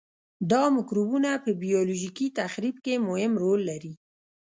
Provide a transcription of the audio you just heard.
دا مکروبونه په بیولوژیکي تخریب کې مهم رول لري.